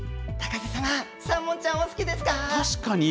高瀬様、サーモンちゃんはお好きですか？